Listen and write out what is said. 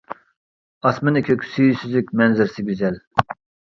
ئاسمىنى كۆك، سۈيى سۈزۈك، مەنزىرىسى گۈزەل.